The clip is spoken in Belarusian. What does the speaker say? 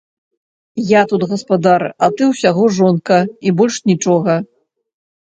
Я тут гаспадар, а ты ўсяго жонка і больш нічога!